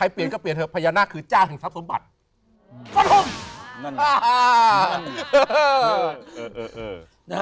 เพราะฉะนั้น